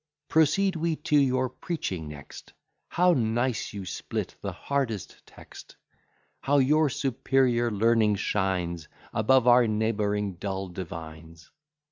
Proceed we to your preaching next! How nice you split the hardest text! How your superior learning shines Above our neighbouring dull divines!